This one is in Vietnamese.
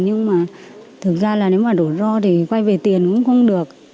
nhưng mà thực ra là nếu mà đổ ro thì quay về tiền cũng không được